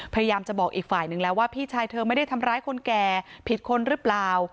พยายามจะบอกอีกฝ่ายนึงแล้วว่าพี่ชายเธอไม่ได้ทำร้ายคนแก่ผิดคนหรือเปล่า